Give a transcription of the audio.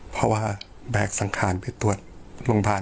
เพราะว่าแบกสังขารไปตรวจโรงพยาบาล